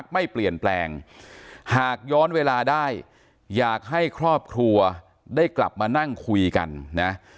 ไม่เปลี่ยนแปลงหากย้อนเวลาได้อยากให้ครอบครัวได้กลับมานั่งคุยกันนะ